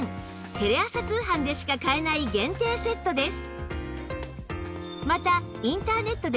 テレ朝通販でしか買えない限定セットです